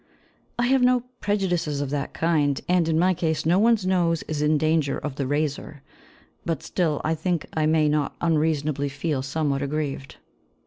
I have no prejudices of that kind, and, in my case, no one's nose is in danger of the razor; but still I think I may not unreasonably feel somewhat aggrieved.